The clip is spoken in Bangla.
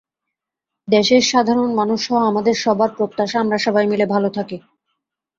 দেশের সাধারণ মানুষসহ আমাদের সবার প্রত্যাশা আমরা সবাই মিলে ভালো থাকি।